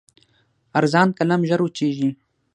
ارزان قلم ژر وچېږي.